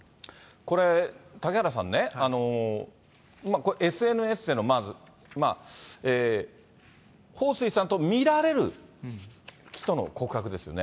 これ、嵩原さんね、ＳＮＳでの彭帥さんと見られる人の告白ですよね。